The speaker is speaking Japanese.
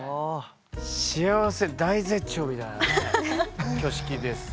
幸せ大絶頂みたいな挙式ですね。